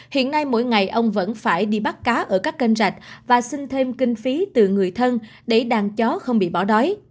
hiện nay mỗi ngày ông vẫn phải đi bắt cá ở các kênh rạch và xin thêm kinh phí từ người thân để đàn chó không bị bỏ đói